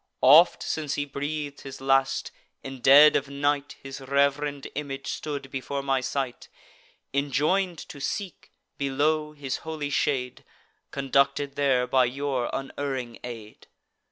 Oft, since he breath'd his last, in dead of night His reverend image stood before my sight; Enjoin'd to seek, below, his holy shade; Conducted there by your unerring aid.